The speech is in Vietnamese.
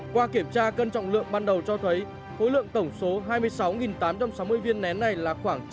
qua kiểm tra cân trọng lượng ban đầu cho thấy khối lượng tổng số hai mươi sáu tám trăm sáu mươi viên nén này là khoảng chín ba mươi năm